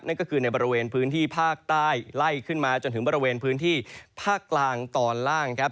นั่นก็คือในบริเวณพื้นที่ภาคใต้ไล่ขึ้นมาจนถึงบริเวณพื้นที่ภาคกลางตอนล่างครับ